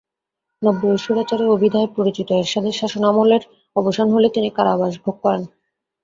নব্বইয়ে স্বৈরাচারী অভিধায় পরিচিত এরশাদের শাসনামলের অবসান হলে তিনি কারাবাস ভোগ করেন।